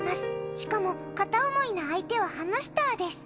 しかも片思いの相手はハムスターです。